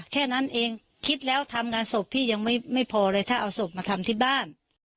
แค่นั้นเองคิดแล้วทำงานศพพี่ยังไม่พอเลยถ้าเอาศพมาทำที่บ้าน